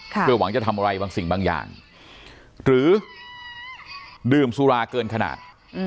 เพื่อหวังจะทำอะไรบางสิ่งบางอย่างหรือดื่มสุราเกินขนาด